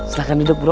silahkan duduk bro